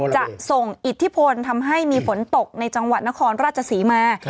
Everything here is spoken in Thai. จะส่งอิทธิพลทำให้มีฝนตกในจังหวัดนครราชศรีมา